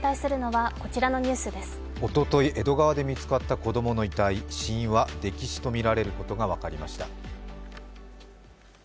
おととい、江戸川で見つかった子供の遺体、死因は溺死とみられることが分かりました。